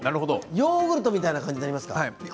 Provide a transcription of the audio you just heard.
ヨーグルトみたいな感じですか。